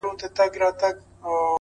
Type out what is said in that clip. تا داسې زه غوښتنه خپله دا دی خواره سوې